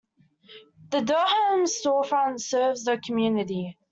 The Durham Storefront serves the community.